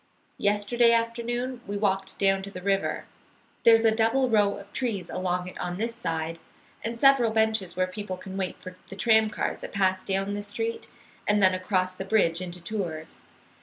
"Yesterday afternoon we walked down to the river. There's a double row of trees along it on this side, and several benches where people can wait for the tram cars that pass down this street and then across the bridge into Tours.